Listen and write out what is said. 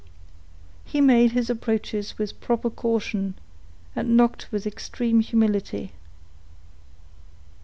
He made his approaches with proper caution, and knocked with extreme humility.